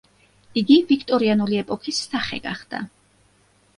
იგი ვიქტორიანული ეპოქის სახე გახდა.